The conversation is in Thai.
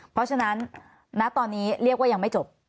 เพราะฉะนั้นณตอนนี้เรียกว่ายังไม่จบ